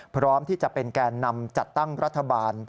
พร้อมที่จะเป็นแก่นำจัดตั้งรัฐบาล